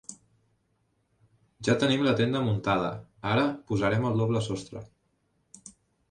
Ja tenim la tenda muntada, ara posarem el doble sostre.